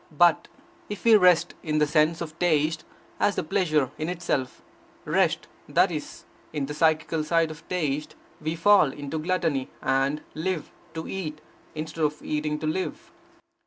But if we rest in the sense of taste, as a pleasure in itself; rest, that is, in the psychical side of taste, we fall into gluttony, and live to eat, instead of eating to live.